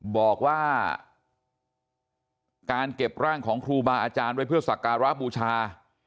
บอกว่าการเก็บร่างของครูบาอาจารย์ไว้เพื่อสักการะบูชา